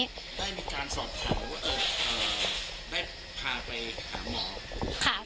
ได้มีการสอบถามได้พาไปถามเหรอ